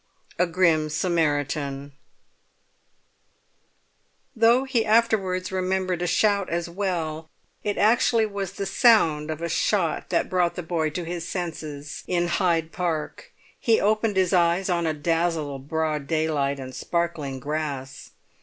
A GRIM SAMARITAN Though he afterwards remembered a shout as well, it actually was the sound of a shot that brought the boy to his senses in Hyde Park. He opened his eyes on a dazzle of broad daylight and sparkling grass.